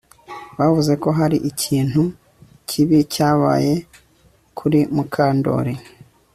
Bavuze ko hari ikintu kibi cyabaye kuri Mukandoli